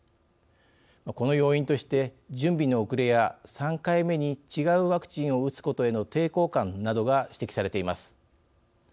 この要因として、準備の遅れや３回目に違うワクチンを打つことへの抵抗感などが指摘されています。